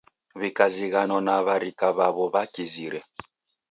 W'ikazighanwa na w'arika w'aw'o w'akizire.